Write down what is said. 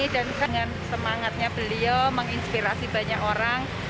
dan dengan semangatnya beliau menginspirasi banyak orang